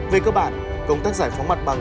về cơ bản công tác giải phóng mặt bằng